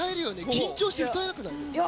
緊張して歌えなくない？